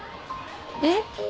えっ？